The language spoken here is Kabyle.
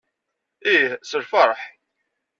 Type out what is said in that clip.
Ih, s lfeṛḥ.